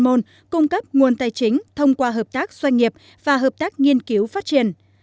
môn cung cấp nguồn tài chính thông qua hợp tác doanh nghiệp và hợp tác nghiên cứu phát triển